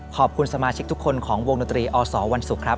ขอบคุณสมาชิกทุกคนของวงดนตรีอสวันศุกร์ครับ